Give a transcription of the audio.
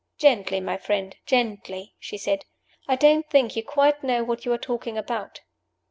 "Gently, my friend, gently!" she said. "I don't think you quite know what you are talking about."